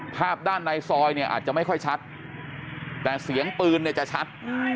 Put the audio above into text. ภาพด้านในซอยเนี่ยอาจจะไม่ค่อยชัดแต่เสียงปืนเนี่ยจะชัด